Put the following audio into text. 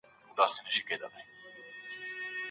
تعلیم د پوهانو د پروژو لپاره بنسټیزه اړتیا ده.